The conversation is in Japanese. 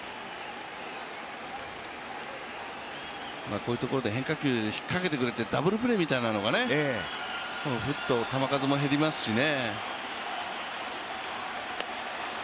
こういうところで変化球引っかけてくれてダブルプレーみたいなのがふっと球数も減りますしね。